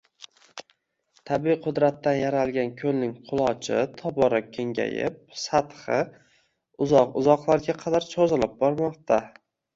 Tabiiy qudratdan yaralgan koʻlning qulochi tobora kengayib, sathi, uzoq-uzoqlarga qadar choʻzilib bormoqda